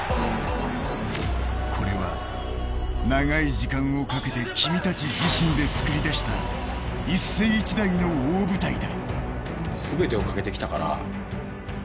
これは長い時間をかけて君たち自身で作り出した一世一代の大舞台だ。